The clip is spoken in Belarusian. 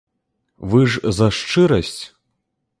Вы ж за шчырасць?